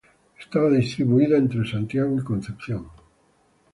Estaba distribuida en Santiago y Concepción.